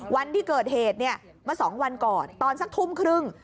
วันที่เกิดเหตุมา๒วันก่อนตอนสักทุ่มครึ่ง